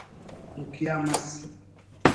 ڈکھیا مس